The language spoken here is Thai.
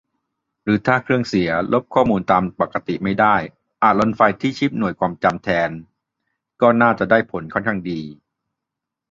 หรือถ้าเครื่องเสีย ลบข้อมูลตามปกติไม่ได้อาจ "ลนไฟ" ที่ชิปหน่วยความจำแทน ก็น่าจะได้ผลค่อนข้างดี